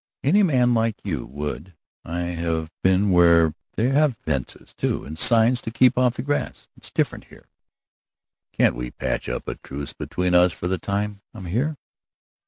"Any man like you would. I've been where they have fences, too, and signs to keep off the grass. It's different here." "Can't we patch up a truce between us for the time I'm here?"